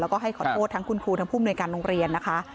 แล้วก็ให้ขอโทษทั้งคุณครูทั้งผู้มนุยการโรงเรียนนะคะ